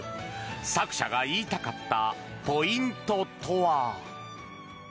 作者が言いたかったポイントとは。